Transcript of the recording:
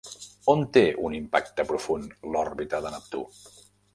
On té un impacte profund l'òrbita de Neptú?